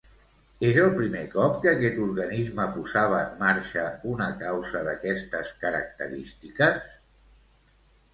És el primer cop que aquest organisme posava en marxa una causa d'aquestes característiques?